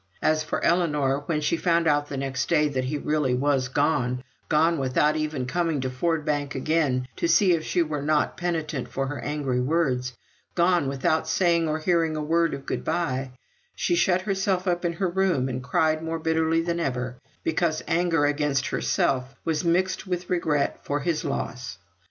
As for Ellinor, when she found out the next day that he really was gone gone without even coming to Ford Bank again to see if she were not penitent for her angry words gone without saying or hearing a word of good bye she shut herself up in her room, and cried more bitterly than ever, because anger against herself was mixed with her regret for his loss.